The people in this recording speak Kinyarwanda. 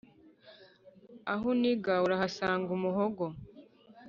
Aho uniga urahasanga umuhogo.